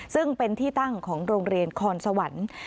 ซึ่งเป็นที่ตั้งของโรงเรียนคอนสวรรค์